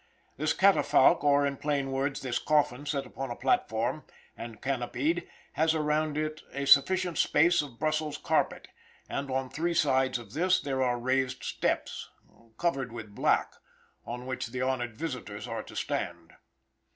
This catafalque, or in plain words, this coffin set upon a platform and canopied, has around it a sufficient space of Brussels carpet, and on three sides of this there are raised steps covered with black, on which the honored visitors are to stand.